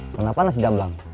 kenapa nasi jamblang